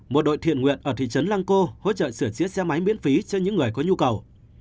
một đội thiện nguyện ở thị trấn lăng cô hỗ trợ sửa chiếc xe máy miễn phí cho những người có nhu cầu